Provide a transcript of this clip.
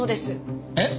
えっ？